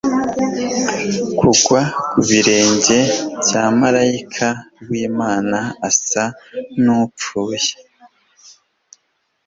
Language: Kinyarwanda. kugwa ku birenge bya marayika w'Imana, asa n'upfuye,